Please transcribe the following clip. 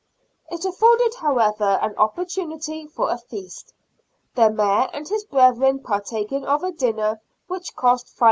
It afforded, however, an opportunity for a feast, the Mayor and his brethren partaking of a dinner which cost £5.